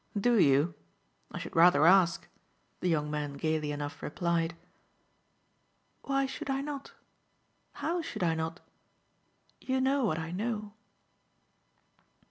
"DO you? I should rather ask," the young man gaily enough replied. "Why should I not? How should I not? You know what I know."